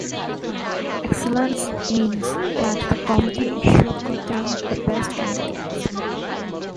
Excellence means that the committee should contain the "best" candidates.